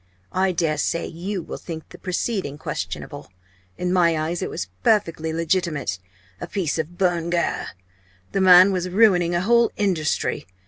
I dare say you will think the preceding questionable. In my eyes it was perfectly legitimate, a piece of bonne guerre. The man was ruining a whole industry.